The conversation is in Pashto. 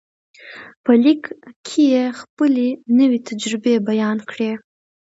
په لیک کې یې خپلې نوې تجربې بیان کړې